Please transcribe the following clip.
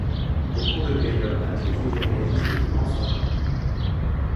Au cours de périodes en atelier, il réalise de plus grands formats.